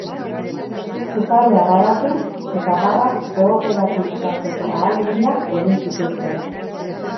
Sukaldea garatu eta barra kooperatibizatzeko ahaleginak egin zituzten.